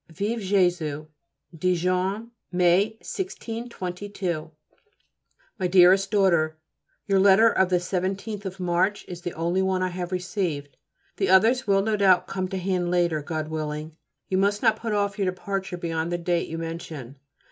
_ Vive [+] Jésus! DIJON, May, 1622. MY DEAREST DAUGHTER, Your letter of the 17th of March is the only one I have received; the others will no doubt come to hand later, God willing. You must not put off your departure beyond the date you mention.